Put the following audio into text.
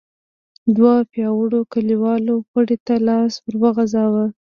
دوو پياوړو کليوالو پړي ته لاس ور وغځاوه.